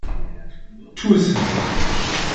Tu es für mich!